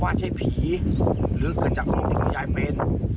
ว่าใช่ผีหรือเกิดจากโรคที่คุณยายเป็น